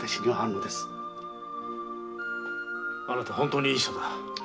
あなたは本当にいい人だ。